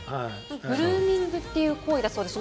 グルーミングという行為らしいですよ。